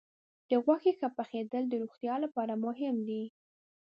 د غوښې ښه پخېدل د روغتیا لپاره مهم دي.